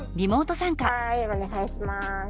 はいお願いします。